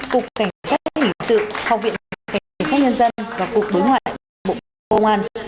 cục cảnh sát hình sự học viện cảnh sát nhân dân và cục đối ngoại bộ công an